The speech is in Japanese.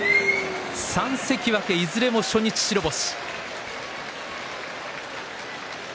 ３関脇、いずれも初日白星です。